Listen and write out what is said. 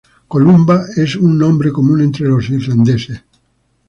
Columba es un nombre común entre los irlandeses.